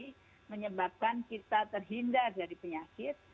ini menyebabkan kita terhindar dari penyakit